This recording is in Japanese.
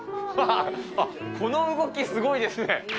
この動き、すごいですね。